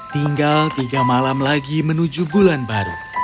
tinggal tiga malam lagi menuju bulan baru